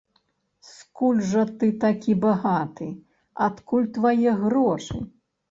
Скуль жа ты такі багаты, адкуль твае грошы?